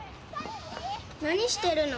何してるの？